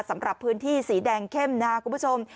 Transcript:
สำหรับพื้นที่สีแดงเข้มนะครับคุณผู้ชม